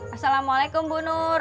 assalamu'alaikum bu nur